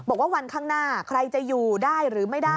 บอกว่าวันข้างหน้าใครจะอยู่ได้หรือไม่ได้